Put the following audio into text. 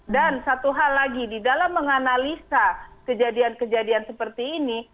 dan satu hal lagi di dalam menganalisa kejadian kejadian seperti ini